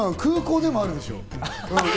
空港でもあるでしょう。